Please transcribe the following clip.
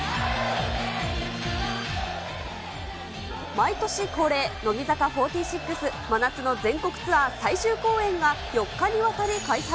毎年恒例、乃木坂４６、真夏の全国ツアー最終公演が４日にわたり開催。